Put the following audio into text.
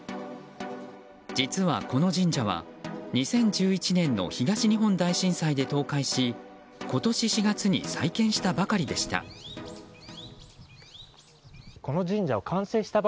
実は、この神社は、２０１１年の東日本大震災で倒壊し今年４月に再建したばかりでした。